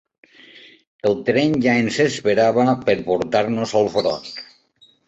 El tren ja ens esperava per portar-nos al front.